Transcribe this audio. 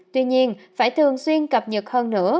tuy nhiên phải thường xuyên cập nhật hơn nữa